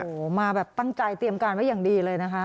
โอ้โหมาแบบตั้งใจเตรียมการไว้อย่างดีเลยนะคะ